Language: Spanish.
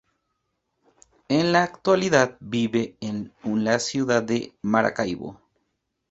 En la actualidad vive en la ciudad de Maracaibo.